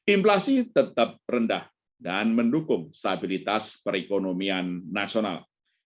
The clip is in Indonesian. inflasi tetap rendah dan mendukung stabilitas perekonomian nasional